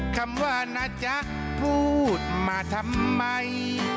คำว่านะจ๊ะพูดมาทำไม